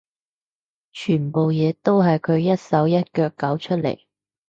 全部嘢都係佢一手一腳搞出嚟